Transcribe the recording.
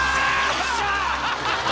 よっしゃ！